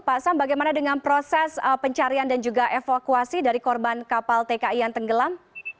pak sam bagaimana dengan proses pencarian dan juga evakuasi dari korban kapal tki yang tenggelam